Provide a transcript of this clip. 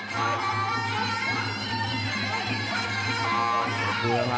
เขาเป็นไรละครับ